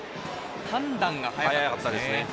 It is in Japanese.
判断が早かったですね。